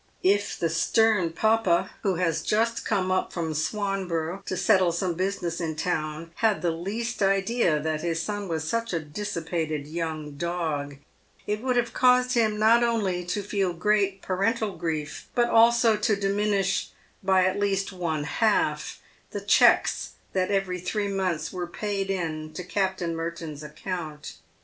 If the stern papa, who has just come up from Swanborough to settle some business in town, had the least idea that his son was such a dissipated young dog, it would have caused him not only to feel great parental grief, but also to diminish, by at least one half, the cheques that every three months were paid in to Captain Merton's account.